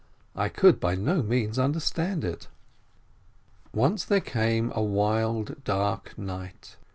I could by no means understand it. Once there came a wild, dark night.